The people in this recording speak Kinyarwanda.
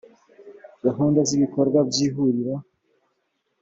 gahunda z ibikorwa by ihuriro